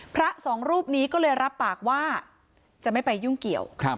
พระสองรูปนี้ก็เลยรับปากว่าจะไม่ไปยุ่งเกี่ยว